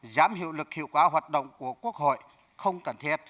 giám hiệu lực hiệu quả hoạt động của quốc hội không cần thiết